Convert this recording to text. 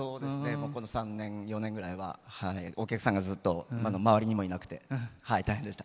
この３年、４年ぐらいはお客さんが、ずっと周りにもいなくて大変でした。